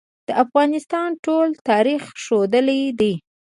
د افغانستان ټول تاریخ ښودلې ده.